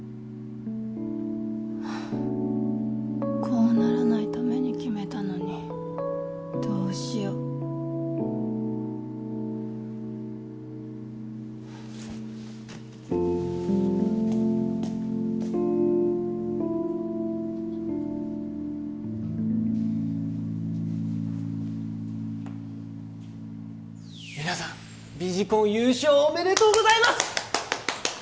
こうならないために決めたのにどうしよう皆さんビジコン優勝おめでとうございます！